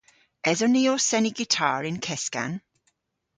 Eson ni ow seni gitar y'n keskan?